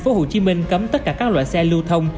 tp hcm cấm tất cả các loại xe lưu thông